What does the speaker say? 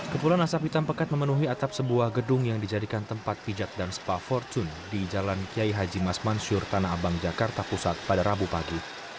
kepulan asap hitam pekat memenuhi atap sebuah gedung yang dijadikan tempat pijat dan spa fortune di jalan kiai haji mas mansur tanah abang jakarta pusat pada rabu pagi